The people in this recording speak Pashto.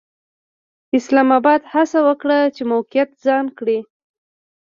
اسلام اباد هڅه وکړه چې موقعیت ځان کړي.